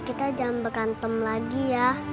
kita jangan bekantem lagi ya